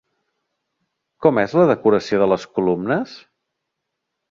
Com és la decoració de les columnes?